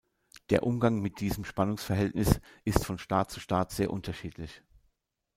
Der Umgang mit diesem Spannungsverhältnis ist von Staat zu Staat sehr unterschiedlich.